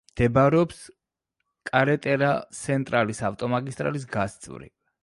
მდებარეობს კარეტერა-სენტრალის ავტომაგისტრალის გასწვრივ.